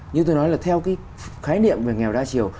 như tôi nói là theo cái khái niệm về nghèo đa chiều